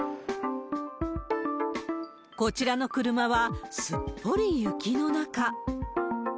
こちらの車は、すっぽり雪の中。